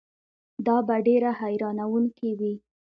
دا به ډېره حیرانوونکې وي.